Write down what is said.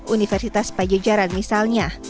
universitas pajejaran misalnya